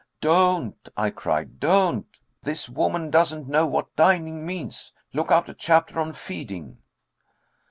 '" "Don't," I cried; "don't. This woman doesn't know what dining means. Look out a chapter on feeding."